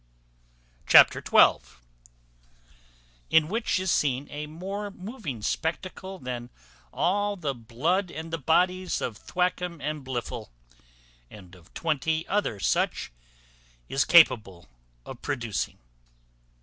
Chapter xii. In which is seen a more moving spectacle than all the blood in the bodies of Thwackum and Blifil, and of twenty other such, is capable of producing.